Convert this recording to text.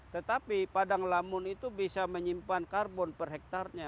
tetapi padang lamun itu bisa menyimpan karbon per hektarnya